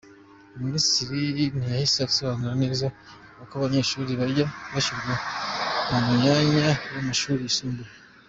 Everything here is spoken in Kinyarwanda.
Minisitiri ntiyahise asobanura neza uko abanyeshuri bajya bashyirwa mu myanya mu mashuri yisumbuye.